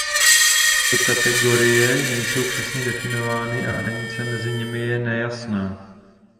Tyto kategorie nejsou přesně definovány a hranice mezi nimi je nejasná.